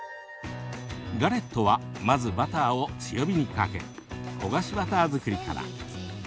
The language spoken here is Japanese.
ガレットはまず、バターを強火にかけ焦がしバター作りから。